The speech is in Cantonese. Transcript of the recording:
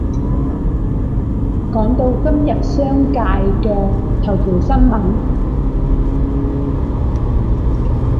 講到今日商界嘅頭條新聞